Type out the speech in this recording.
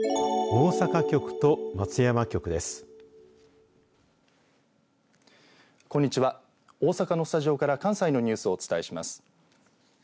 大阪のスタジオから関西のニュースをお伝えします。